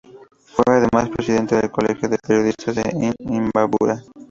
Fue además presidente del colegio de periodistas de Imbabura.